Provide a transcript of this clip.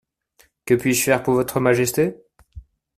Que puis-je faire pour Votre Majesté ?